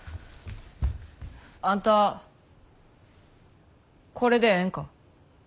あんたこれでええんか。